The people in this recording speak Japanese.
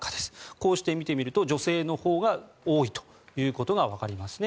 こうして見てみると女性のほうが多いということがわかりますね。